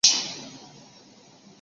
乡试十四名。